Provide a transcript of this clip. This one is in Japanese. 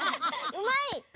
うまい！